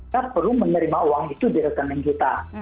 kita perlu menerima uang itu di rekening kita